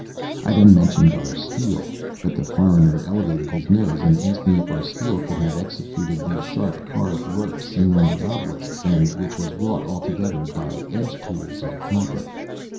I then mentioned our steel; but the foreigner elevated his nose, and asked me if our steel could have executed the sharp carved work seen on the obelisks, and which was wrought altogether by edge tools of copper.